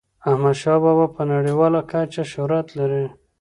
احمد شاه بابا په نړیواله کچه شهرت لري.